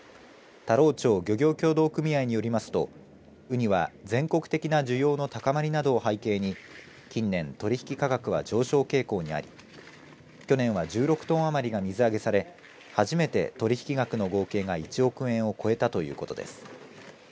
田老町漁業協同組合によりますとうには、全国的な需要の高まりなどを背景に近年、取引価格は上昇傾向にあり去年は１６トン余りが水揚げされ初めて取引額の合計が１億円を超えたということです。